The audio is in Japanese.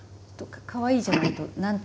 かわいいじゃないと何という。